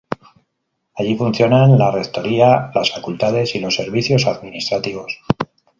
Allí funcionan la Rectoría, las Facultades y los servicios administrativos.